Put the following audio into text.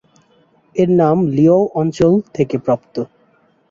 এর নাম লিয়াও অঞ্চল থেকে প্রাপ্ত।